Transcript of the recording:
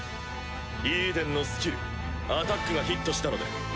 イーデンのスキルアタックがヒットしたのでファヌエルを退却。